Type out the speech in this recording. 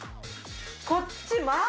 こっちまぁ！